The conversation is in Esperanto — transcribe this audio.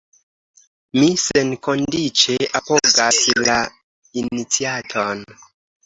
Mi senkondiĉe apogas la iniciaton.